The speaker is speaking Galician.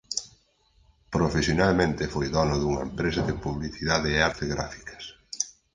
Profesionalmente foi dono dunha empresa de publicidade e artes gráficas.